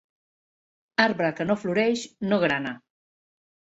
Arbre que no floreix, no grana.